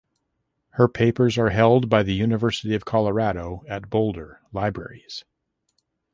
Her papers are held by the University of Colorado at Boulder Libraries.